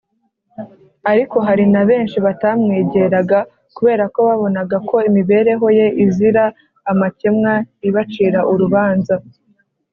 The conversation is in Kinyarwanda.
; ariko hari na benshi batamwegeraga, kubera ko babonaga ko imibereho Ye izira amakemwa ibacira urubanza.